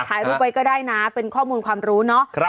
ถ่ายรูปไว้ก็ได้นะเป็นข้อมูลความรู้เนาะ